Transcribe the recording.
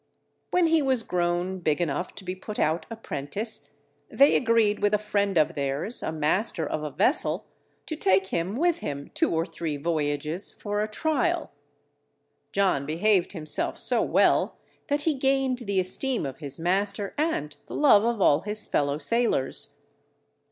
When he was grown big enough to be put out apprentice, they agreed with a friend of theirs, a master of a vessel, to take him with him two or three voyages for a trial. John behaved himself so well that he gained the esteem of his master and the love of all his fellow sailors.